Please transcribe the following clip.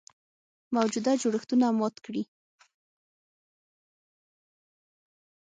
موجوده جوړښتونه مات کړي.